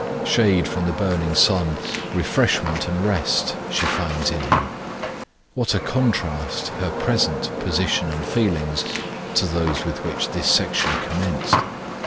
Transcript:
Shade from the burning sun, refreshment and rest she finds in Him. What a contrast her present position and feelings to those with which this section commenced!